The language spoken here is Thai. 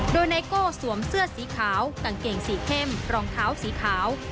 โดยไนโก้สวมเสื้อสีขาวกางเกงสีเข้มรองเท้าสีขาว